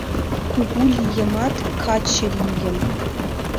Кугу лийымат, каче лийым.